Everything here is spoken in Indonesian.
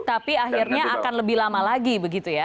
tapi akhirnya akan lebih lama lagi begitu ya